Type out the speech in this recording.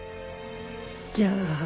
じゃあ。